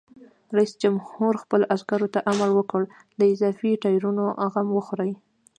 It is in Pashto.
رئیس جمهور خپلو عسکرو ته امر وکړ؛ د اضافي ټایرونو غم وخورئ!